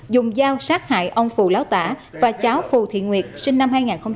dùng dao sát hại ông phù láo tả và cháu phù thị nguyệt sinh năm hai nghìn một mươi